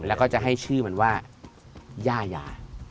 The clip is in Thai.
แล้วก็จะให้ชื่อมันว่าย่ายา